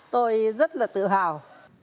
tôi rất là tự hào